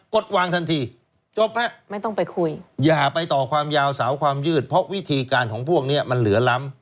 ดวางทันทีจบฮะไม่ต้องไปคุยอย่าไปต่อความยาวสาวความยืดเพราะวิธีการของพวกนี้มันเหลือล้ำ